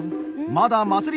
まだ祭り